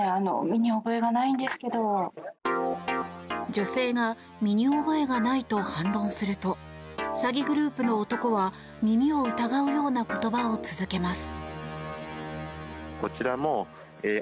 女性が身に覚えがないと反論すると詐欺グループの男は耳を疑うような言葉を続けます。